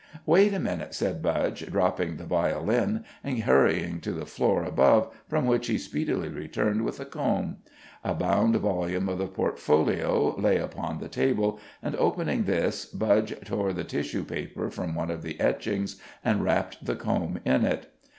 "Wait a minute," said Budge, dropping the violin, and hurrying to the floor above, from which he speedily returned with a comb. A bound volume of the Portfolio lay upon the table, and opening this, Badge tore the tissue paper from one of the etchings and wrapped the comb in it.